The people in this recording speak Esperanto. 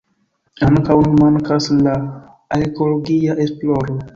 Ankaŭ nun mankas la arkeologia esploro.